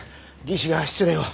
技師が失礼を。